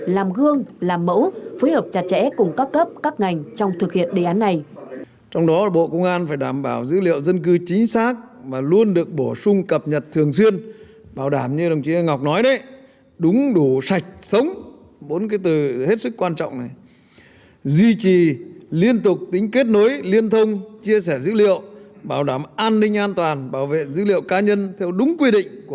làm gương làm mẫu phối hợp chặt chẽ cùng các cấp các ngành trong thực hiện đề án này